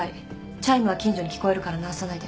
チャイムは近所に聞こえるから鳴らさないで。